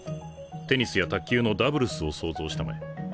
テニスや卓球のダブルスを想像したまえ。